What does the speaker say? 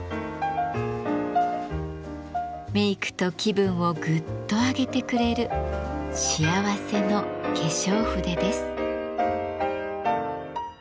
メイクと気分をグッと上げてくれる幸せの化粧筆です。